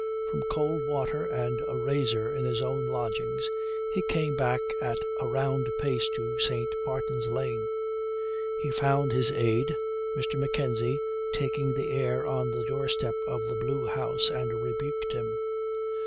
From cold water and a razor in his own lodgings he came back at a round pace to St. Martin's Lane. He found his aide, Mr. Mackenzie, taking the air on the doorstep of the Blue House, and rebuked him.